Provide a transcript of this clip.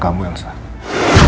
saya sudah berharap